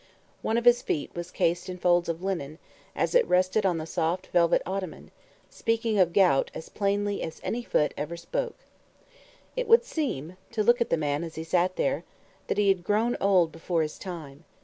One of his feet was cased in folds of linen, as it rested on the soft velvet ottoman, speaking of gout as plainly as any foot ever spoke yet. It would seem to look at the man as he sat there that he had grown old before his time.